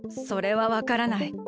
それはわからない。